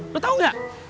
lo tau gak